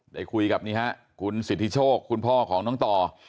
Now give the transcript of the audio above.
ได้คุยกับนี่ฮะคุณสิทธิโชคคุณพ่อของน้องต่อ